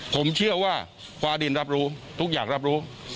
ผมเชื่อว่าฟ้าดินรับรู้ทุกอย่างรับรู้